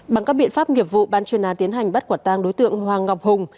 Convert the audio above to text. bằng các biện pháp nghiệp vụ ban chuyên án tiến hành bắt quả tang đối tượng hoàng ngọc hùng